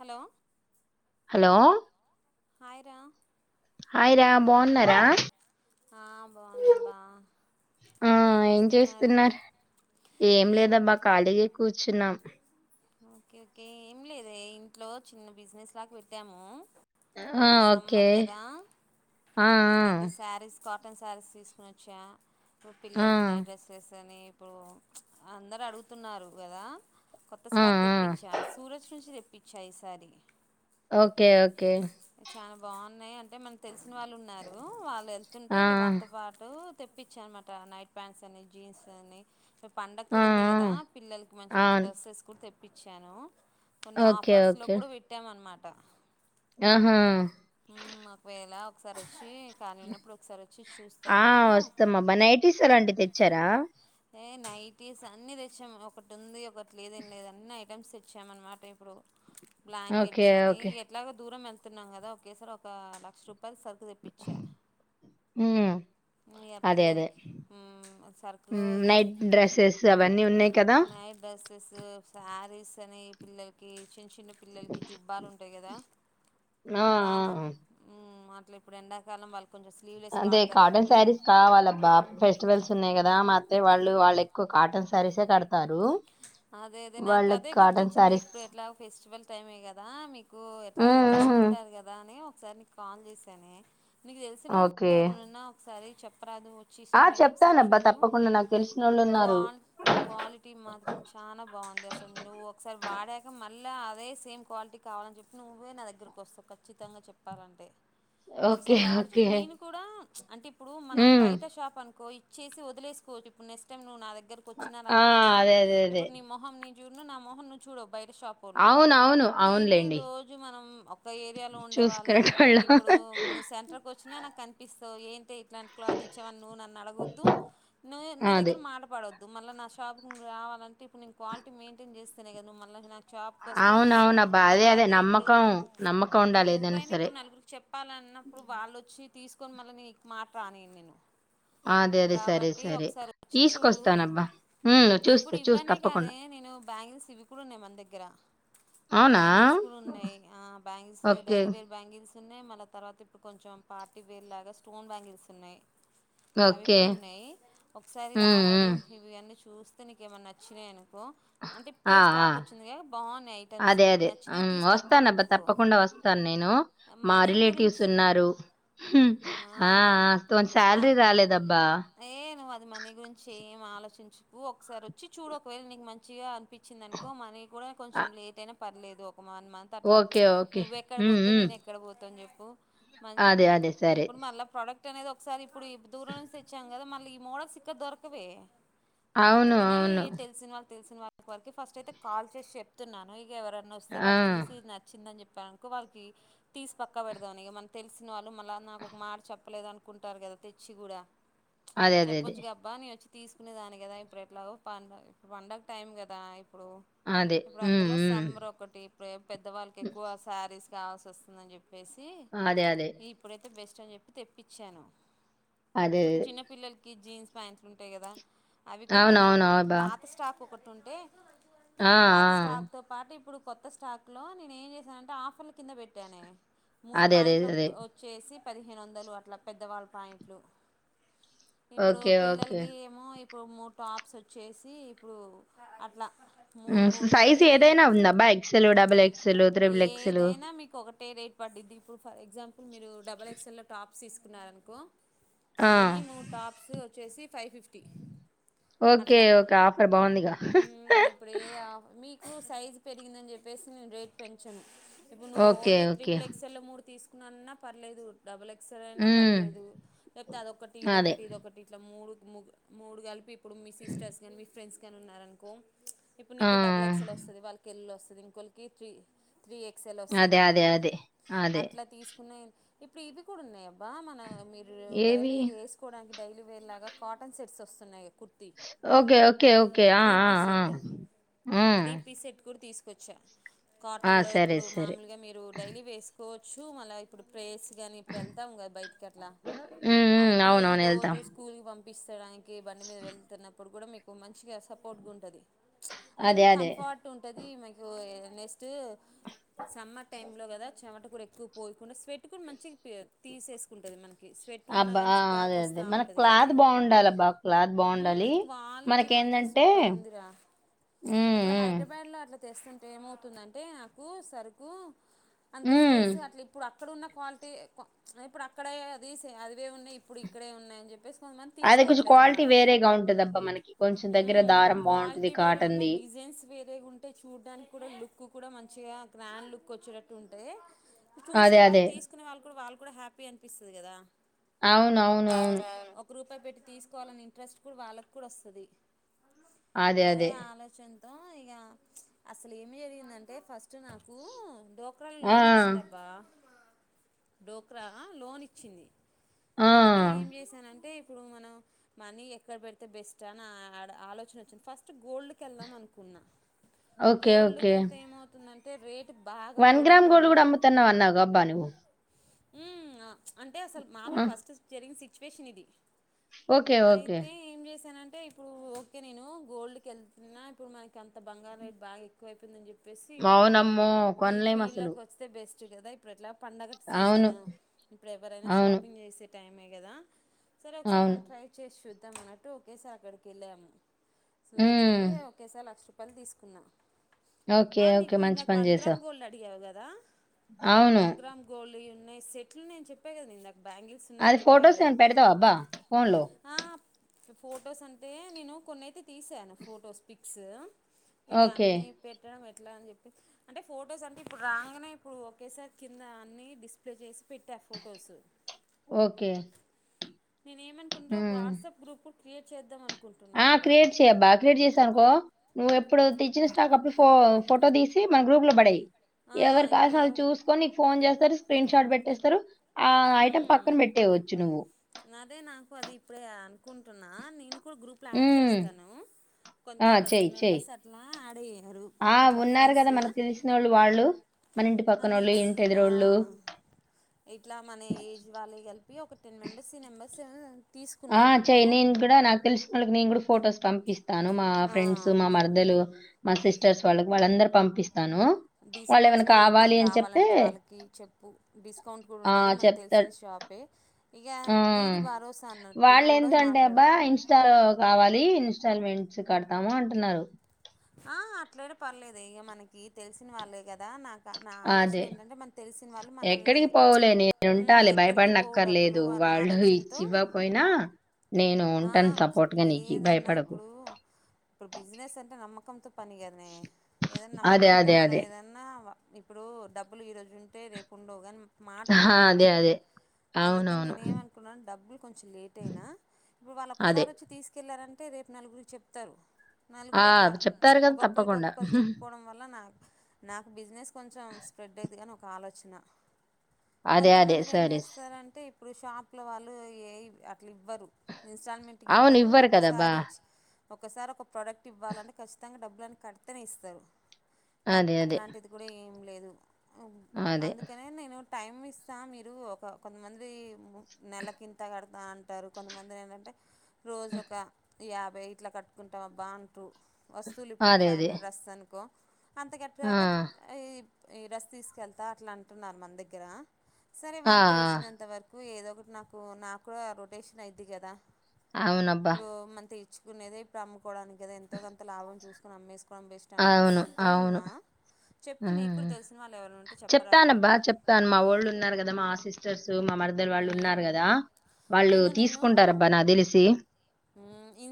Hello లో hi రా hi Ram బావున్నారా ఆ బాగున్నబ్బా ఆ ఏం చేస్తున్నార్? ఏం లేదబ్బా ఖాళీగే కూర్చున్నాం. ఓకే ఓకే ఏం లేదే ఇంట్లో చిన్న బిజినెస్ లాగ్ పెట్టాము. ఆ ఇప్పుడు ఓకే సమ్మర్ కదా ఆ ఆ ఏదేంటి శారీస్ కాటన్ శారీస్ తీసుకునోచ్చా రూ ఆ పిల్లల్కి నైట్ డ్రెస్సెస్ అని ఇప్పుడు ప్చ్ అందరుూ అడుగుతున్నారు గదా ఆ స్టాక్ ఆ తెప్పిచ్చా సూరజ్ నుంచి తెప్ ప్పిచ్చా ఈసారి ఓకే ఓకే బావున్నాయి అంటే మనకి తెలిసిన వాళ్ళు ఉన్నారు. వాళ్ ఏ ఎల్తుంటే ఆ ఇగా వల్తో పాటు తెప్పిచ్చా అన్మాట. నైట్ ప్యాంట్స్ అని, జీన్స్ అని ఆ పండగ్కుడుంది గదా. పిల్లలకి మంచి ఆ మంచి అవును డ్రెస్సేస్ తెప్పించాను కొన్ని ఓకే ఆఫర్స్ లో ఓకే కూడా పెట్టాం అనమాట అడ ఆహా నాకువేలా సరిచ్చి ఆ వస్తాం అబ్బా నైటీస్ అలాంటివి తెచ్చారా ఏ నైటీస్ అన్ని తెచ్చాము ఒకటి ఉంది ఒకటి లేద ఏం లేదు అన్నీ ఐటమ్స్ తెచ్చామ అన్నమాట ఇప్పుడు ఓకే బ్లాంకెట్స్ అని ఓకే ఎట్లాగ దూరం వె న్నాం కదా ఒకేసారి ఒక లక్ష రూపా రూపాయలు సరుకు తిప్పించ ఉమ్, ఇగ అదే అదే పిల్లకి ఉమ్ నైట్ డ్రెస్సెస్ అవన్నీ ఉన్నాయి కదా నైట్ డ్రెస్సెస్ సారీస్ అని పిల్లలకి చిన్న పిల్లలకి జుబ్బాలు ఉంటాయి కదా ఆ దా ఆ ఇప్పు ఎడాకాలం వాళ్ళకి అదే కాటన్ శారీస్ కావాలబ్బా ఫెస్టివల్స్ ఉన్నాయి కదా అయితే వాళ్ళు వాళ్ళు ఎక్కువ కాటన్ శారీసే కడతారు అదే అదే నాకు వాళ్ళకి అదే కాటన్ గుర్తొచ్చింది శారీస్ ఇప్పుడు ఎట్లా ఫెస్టివల్ టైమే కదా మీకు ఎట్లాగ తీసుకుంటారు కదా అని సార్ నీకు కాల్ చేసాను నీకు తెలిసిన వాళ్ళక ఓకే ఎవరి ఉన్నా ఒకసారి చెపరదు వచ్చి ఆ ఇస్టమైతే అయితే ఒకసారి చెప్తానబ్బా చూడు తప్పకుండా నాకు తెలిసిన వాళ్ళు ఉన్నారు కల్ క్వాలిటీ మాత్రం చాల బాగుంది అసలు నువ్వు ఒకసారి వాడాక మళ్ళీ అదే సేమ్ క్వాలిటీ కావాలని చెప్పి నువ్వే నా దగ్గరకి వస్తావు ఖచ్చితంగా చెప్పాలంటే ఓకే ఒకసారి వాడు ఓకే నేను కూడా అంటే ఇప్పుడు మనం ఉమ్, బయట షాప్ అనుకో చేసి వదిలేకోవచ్చ ఇప్పుడు నీ ఇష్టం నువ్వు నా దగ ఆ అదే అదే ఇప్పుడు నీ మొహం నీ జున్ను నా మొహం నువ్వు చూడు [inaudible] బయట షాపోళ్లు అవును అవును ఇప్పుడు ఏంటి అవునులేండి రోజు మనం ఒక ఏరియాలో ఉండేవాళ్ళం చూసుకునేటోళ్ళ ఇప్పుడు నువ్వు సెంటర్కి వచ్చినా నాకు అనిపిస్తుంది సో ఏంతై ఇట్లాంటి క్లాత్ ఇచ్చేవనీ నువ్వు నన్ను అడగొద్దు నువ్వు నీ అదే దగ్గర మాటపడ్డొదు అ మళ్ల నా షాప రావాలంటే ఇప్పుడు నే క్వాలిటీ మెయింటైన్ చేస్తేనే కద మళా నా జాబ్కిస్తాం అవునవునబ్బా అదే అదే తర్వాత ఇప్పుడు నమ్మకం నమ్మకం ఇప్పుడు ఉండాలి ఏదైనా నువ్వైనా సరే ఇప్పుడు నలుగురికి చెప్పాలన్నప్పుడు వాళ్ళొచ్చి తీసుకొని మళ్ళీ నీ మాట రానిను నేను అదే అదే సరే కాబట్టి సరే ఒకసారి వచ్చి తీసుకొస్తానబ్బా చూస్తా చ ఇవన్న కాదే నేను బ్యాంగిల్స్ ఇవి కూడా ఉన్నాయి మన దగ్గర అవునా? బ్యాంగిల్స్ కూడా ఉన్నాయి bangles okay. Daily wear bangles ఉన్నాయి మళ్ళా తర్వాత ఇప్పుడు కొంచెం పాార్టీ వేర్ లాగా స్టోన్ బ్యాంగిల్స్ ఉన్నాయి అవి ఓకే. కూడా ఉన్నాయి ఒకసారి హ్మ్. రారదు హ్మ్. ఇవి అన్నీ చ చూస్తే నకేమైనాచ్చ శేను ఆ ఆ బాగున్నాయి ఐటమ్స్ అదే నీకు అదే నచ్చినాయి తీసి పక్కా వస్తానబ్బా పెట్టుకో తప్పకుండా వస్తాను నేను మా మనీ రిలేటివ్స్ గురించి ఉన్నారు ఆ మ శాలరీ రాలేదబ్బా ఏ నువ్వు అది మనీ గురించి ఏం ఆలోచించుకు ఒకసారి వచ్చ వచ్చి చూడు ఒకవేళ నీకు మంచిగా నచ్చిందనుకో మనీ కూడా అ కొంచెం లేట్ అయినా పర్లేదు ఒక ఒక వన్ మంత్ అట్లా ఓకే. ఓకే. నువ్ ఎక్కడ హ్మ్. పోతావు హ్మ్. నేన ఎక్కడ పోతను చెప్పి మంచి అదే. అదే. సరే. ఇప్పుడు మళ్ళ ప్రోడక్ట్ క్ట్ అనేది ఒకసారి ఇప్పుడు దూరం నుంచి తెచ్చాం కదా మళ్ళీ ఈ మోడల్స్ ఇక్కడ దొరకవే అవును నే అవును. తెలిసిన వాళ్ళ తెలిసిన వా వళ్కి ఫస్ట్ అయితే కాల్ చేసి చెప్తున్నాను ఎవరన్నా వస్తే ఆ! వాళ్ళు చూసిది నచ్చింద అని చెప్పి చెప్పను వాళ్ళకి తీసి పక్క పెడదామని ఇ మన తెలిసిన వాళ్ళు మళ్ళీ నాకు ఒక మాట చెప్పలేదు అనుకుంటారు కదా తెచ్చి కూడా అదే. అదే. అదే. చెప్పొచ్చు క అబ్బా నీ వచ్చి తీసుకునే దాని కదా ఇట్లా ప ఇప్పుడు పండగ టైం కదా ఇప్పుడు అదే ఉ ప్రేబ్ పెద్దవాళ్ళకి ఎక్కువ సారి కావాల్సి వస్తుందని చెప్పి వేసి అదే. అదే. ఇప్పుడైతే బస్ అని చెప్పి తెప్పించాను అదే. ఇప్పు అదే. చిన్న పిల్లలకి జీన్స్ ఫంతలుంటాయి కదా అవి కూడా మన అవునవునవుబా పాత స్టాక్ ఒకటి ఉంటే పాత స్టాక్ తో పాటు ఇప్పుడు కొత్త స్టాక్లో నేను ఏం చేశానంటే ఆఫర్ల కింద పెట్నే మూడు అదే. అదే. పాయింట్లు వ్ అదే. వచ్చేసి పదిహేను వందలు అట్లా పెద్దవాళ్ళ పాయింట్లు ఇప్పుడు ఓకే. ఓకే. పిల్లలకి ఏమో ప్రమోట్ టాప్స్ వచ్చేసి ఇప్పుడు అట్టా ఉ సైజు ఏదైనా ఉందబ్బా XL, double XL, triple XL వాడది దీపు ఫర్ ఎగ్జామ్ మీరు డబల్ ఎక్స్ఎల్ టాప్ తీసుకున్నారనుకో ఆ! ఇని మూ టాప్స్ వచ్చేసి ఫైవ్ ఫిఫ్టీ ఓకే. అట్లా ఓకే. ఆఫర్ బావుందిగా. ఉమ్ ఇప్పుడు ఏ ఆప్ మీ నువ్వు సైజు పెరిగిందని చెప్పేసి నేను రేట్ పెంచను. ఇప్పు నువ్వు ఓకే. Only okay. త్రిబుల్ ఎక్స ల్లో తీస్ నన్నా పర్లేదు డబుల్ ఎక్స్రే అయినా హ్మ్. పర్లేదు. లేకపోతే అదొకటి అదే. ఇదొకటి ఇదొకటి ఇట్లా మూడు ముగ్ మూడుగలిపి ఇప్పుడు మీ సిస్టర్స్ గన్పి ఫ్రెండ్స్ కానీ ఉన్నారనుకో ఇప్పుడు ఆ! నీకు డబుల్ ఎక్స్ ల్ వస్తుంది. వాళ్ళకిళ్ళ వస్ ఇంకోలికి త్రీ త్రీ ఎక్సఎల్ అదే. వస్తది అదే. అదే. అదే. అట్లా తీసుకునే ఇప్పుడు ఇవి కూడా ఉన్నాయి అబ్బా మన మీరు ఏవి? డైలీ వేసుకోవడానికి డైలీ వేర్ లాగా కాటన్ సెట్స్ వస్తాయి. కుర్ ఓకే ఓకే ఓకే ఆ ఆ పీస్ సెట్ ఆ కుచ్చ ఆ! కాటన్ లో సరే. ఇప్పుడు సరే. మామూలుగా మీరు డైలీ వేసుకో కోవచ్చు మళ్ళ ఇప్పుడు పేస్ కానీ ఇప్పుడు వెళ్తాం కదా. బయటికి అట్లా హ్మ్. హ్మ్. మాములు పిల్లలు అవునవును. ఎళ్తాం. రోజు స్కూల్ పంప్ విస్తరాంక్ ఏ బండిమీద వేల్ ఇప్పుడు కూడా మీకు మంచిగా సపోర్ట్గా ఉంటది అంటే అదే. మీకు అదే. కంఫర్ట్ ఉంటది అది మనకు నెక్స్ట్ సమ్మర్ టైంలో కదా చెమట కూడా ఎక్కువ పోయకుండా స్వెట్ కూడా మంచిగా తీసేసుకుంటుంది మన అబ్బా అదే అదే మన కదనే క్లాత్ బాగుండాలి అబ్బా క్లాత్ బాగుం క్వాలిటీ మాత్రం సూపర్ ఉందిరా హ్మ్. ఇప్పుడు హ్మ్. హైదరాబాద్ లో అట్లా తెస్తుంటే ఏమవుతుందంటే నాకు సరుకు అంత హ్మ్. సేల్స్ అట్లా ఇప్పుడు అ అక్కడ ఉన్న క్వాలిటీ ఇప్పుడు అక్కడే అది సే అదివే ఉన్నాయి ఇప్పుడు ఇక్కడే ఉన్నాయని చెప్పేసి కొంతమంది అది కొంచెం తీసుకోవట్లేదు క్వాలిటీ అనమాట వేరేగా ఉంటదబ్బా మనకి కొంచెం దగ్గర దారం ఇప్పుడు బాగుంటది క్వాలిటీ వేరే కాటన్ ఉన్నాయి ది డిజైన్స్ వేరే ఉంటాయి చూడ్డానికి కూడా లుక్ కూడా మం మంచిగా గ్రాండ్ లుక్ వచ్చేటట్టు ఉంటాయ్ చూసే అదే వాళ్ళు అదే తీసుకునే వాళ్ళు కూడా వాళ్ళు కూడా హ్యాపీ అనిపిస్తుంది కదా అవునవునువును అవునవును. ఒక పెట్టి తీకోలని ఇంట్రస్ట్ ఇప్పుడు వాళ్ళకి కూడా వస్తది అదే ఆలోచన మొత్తం ఇక అసలు ఏం జరిగిందంటే ఫస్ట్ నాకు డోకరలో ఆ లోన్ వచ్చిందబ్బా డోక్రా లోన్ ఇచ్చింది ఆ అందుకే నే ఏం చేశానంటే ఇప్పుడు మనం మనీ ఎక్కడ పెడితే బెస్ట్ అని ఆలోచన వచ్చింది ఫస్ట్ గోల్డ్కి వెళ్దాం అనుకున్నా ఓకే గోల్డ్ ఓకే కెళ్తే ఏమవుతుందంటే రేట్ వన్ గ్రామ్ గోల్డ్ కూడా అమ్ముతున్నావు అన్నాగ అబ్బా నువ్వు ఉ అంటే అసలు మామి ఆ, ఫస్ట్ జరిగిన సిచువేషన్ ఇది ఓకే ఓకే అయితే ఏం చేశానంట అంటే ఇప్పుడు ఓకే నేను గోల్డ్ క వెళ్తున్నా ఇప్పుడు మనకి అంత బంగారు రేట్ బాగా ఎక్కువ అయిపోతుందని చెప్పి చెప్పేసి ఇట్లా అవునమ్మో ఈ కొనలేం ఫీల్డ్ అసలు లోకి వస్తే బెస్ట్ జు కాదా ప్రట్లాప్ పండగ అవును సీజను ఇప్పుడు ఎవరైనా అవును షాపింగ్ చేసే టైమే కదా సరే ఒకసారి అవును మనం ట్రై చేస్ చూద్ అన్నట్టు ఓకేసారి అక్కడికి వెళ్ళాము సూరజ్ ఉమ్, చెల్లి ఒకేసారి లక్ష రూపా చెప్పలు తీసుకున్న ఓకే ఆ ఓకే మీకు మంచి ఇందాక పని వన్ గ్రామ్ చేసావు గోల్డ్ అడిగా దా అవును వన్ గ్రామ్ గోల్ ఉ నే సెట్లు నేను చెప్ప కదా ఇందా అది ఫొటోస్ ఏమన పెడతావా అబ్బా ఫోన్ లో ఆ ఫొటోస్ అంటే నేను కొన్నియితే తీసాను ఫొటోస్ పిక్స్ ఇగా ఓకే అన్ని పెట్టడం ఎట్లా అని చెప్పే అంటే ఫొటోస్ అంటే ఇప్పుడు రాగానే ఇప్పుడు ఒకేసారి కింద అన్ని డిస్ప్లే చేసి పెట్టారు ఫొటోస్ ఓకే నేను ఏమనుకుంట ఒక ఉమ్. వాట్సాప్ ప్పు క్రియేట్ చేద్దాం అ ఆ క్రియేట్ చేయ్యబ్బా క్రియేట్ చేసానుకో నువ్వు ఎ ఇప్పుడు తెచ్చిన స్టాక్ అప్పుడు ఫో ఫొటో తీసి మన గ్రూప్ లో పడేయ్ ఆ ఎవరు కాల్సిన ఇప్పుడు వాళ్ చూసుకొని నీకు ఫోన్ చేస్తారు స్క్రీన్ షార్ట్ పెట్టేస్తారు ఆ ఐటమ్ ఉమ్ పక్కన పెట్ తేవచ్చు నువ్వు అదే నాకు అది ఇప్పుడే అనుకుంటున్నా నేను కూడా గ్రూప్లో యాడ్ హ్మ్. చేస్తాను కొంత ఆ! ఒక చెయి, టెన్ చెయి. మెంబర్స్ అట్లా యాడ్ అయ్యారు ఆ! ఇట్లా ఉన్నారు ఫ్రెండ్స్ గదా! మనకు తెలిసినోళ్ళు వాళ్ళు. వాళ్ళు మన ఇంటి అని పక్కనోళ్ళు, ఆ ఇంటెదురోళ్ళు. ఇట్లా మన ఏజ్ వాళ్ళే కలిపి అ ఒక టెన్ మెంబర్స్ త్రీ మెంబర్స్ ఆ చై నేనుకూడా నాకు తెలిసిన వాళ్ళుక్ నన్ కూడా ఫొటోస్ పంపిస్త్ తాను మా ఆ ఫ్రెండ్స్ మా మర్దలు మా సిస్టర్స్ వాళ్ళకి వాళ్ళందరు పంపిస్తారు డిస్కౌంట్స్ కూడా ఇద్దాం చెప్తే కావాలంటే వాళ్ళకి చెప్పు డిస్కౌంట్ కూడా ఆ! ఉంటుంది మన చెప్తారు. తెలిసిన షాపే ఇక ఆ నీది భరోసా అన్నట్టు కూడా వాళ్ళెంతంటే మాట్లాడు అబ్బా ఇన్స్టాలో కావాలి ఇన్స్టాల్మెంట్స్ కడ్తాము అంటున్నారు. ఆ అట్లైన పర్లేదు ఇగ మనకి తెల్సిన వాళ్ళే క దా నాక్ నా ఆలోచన అదే ఏంటంటే మనక్ తెల్సిన వాళ్ళు మనల్ని ఎక్కడికి పోవులే మ్ నేనుంటాలే ఎక్కడ్కి పోవు డబ్బులు భయపడనక్కర్లేదు. అనే వాళ్ళు ఆలోచనతో ఇచ్చి ఇవ్వకపోయినా నేను ఆ ఉంటాను సపోర్ట్‌గా నీకి ఏదన్నా భయపడకు. ఇప్పుడు ఇప్పుడు బిజినెస్ అంటే నమ్మ పంతో పనిగనే ఏదైన్నా అదే, నమ్మకంతో అదే, మనం అదే. ఏదన్నా ఇప్పుడూ డబ్బులు ఈరోజు ఉంటే రేపు ఉండవు కని మాట ఆ! అదే, ఉండిపోద్ది అదే. అందుకని అవునవును. నేన్ ఏమనుకున్నాను డబ్బులు కొంచం లేట్ అయినా ఇప్పుడు వాళ్ళు అదే. ఒక్కసారి వచ్చి తీస్ కెళ్లారంటే రేప్ నలుగురికి చెప్తారు. ఆ! నలుగురు అట్లా చెప్తారు కదా! ఒక్కొక్కరికి తప్పకుండా. ఒక్కొక్కలు చెప్పుకోవడం వల్ల నా నాకు బిజినెస్ కొంచం స్ప్రెడ్ అయిదిగాని ఒక ఆలోచన అదే, అదే. కొంతమందిల ఏం సారీస్. చేస్తారంటే ఇప్పుడు షాప్లో వాళ్ళు ఏ ఇట్లివ్వరు ఇన్స్టాల్మెంట్కి అవును. ఇవ్వరు కదబ్బా! ఒసారి ఇచ్ ఒకసారి ఒక ప్రొడక్ట్ ఇవ్వాలని కస్ చ్చితంగా డబ్బులన్ని కడ్తేనే ఇస్తరు. నాక్ అదే, అదే. అట్లాంటిది కూడా ఏం లేద్ అ అదే. అందుకనే నేను టైం ఇస్తా మీరు ఒక కొంతమంది నెల కింత కడ్తా అంటారు కొంతమంది ఏంటంటే రోజొక యాభై ఇట్ల కట్టుకుంటాం అబ్బా అంటు వస్తువులు ఇప్పుడు అదే, ఫైవ్ అదే. హండ్రెడ్ డ్రెస్ అనుకో అంత ఆ! గట్టుడయ్యాక [inaudible] ఈ డ్రెస్ తీస్కెళ్తా అట్లా అంటున్నారు మన దగ్గరా సరే ఆ! వాళ్ళతో ఆ! వచ్చినంత వరకు ఏదో ఒకటి నాకు నాక్కూడా రొటేషన్ అయిద్ది కదా అవునబ్బా! ఇప్పుడు [inaudible] ఉన్నదే ప్రము కోడానికి కదా ఎంతో గం అవం చూస్కొని అమ్మేస్ అవును అవును చెప్పు నీకు కూడా తెలిసిన వాళ్ళు ఎవరైనా ఉంటే చెప్పరాదు చెప్తానబ్బా చెప్తాను మా వోళ్ళు ఉన్నారు కదా మా సిస్ స్టర్స్ మా మర్దల్ వాళ్ళు ఉన్నారు ఉమ్ కదా వాళ్ళు నేను తీసుకుంటారబ్బా నాక్ తెల్సి ఇ